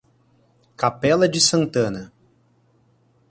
Capela de Santana